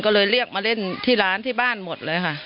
ก็เลยเรียกมาเล่นที่ร้านที่บ้านหมดเลยค่ะ